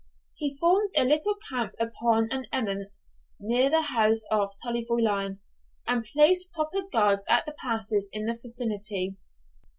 He formed a little camp upon an eminence near the house of Tully Veolan, and placed proper guards at the passes in the vicinity.